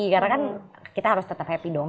karena kan kita harus tetap happy dong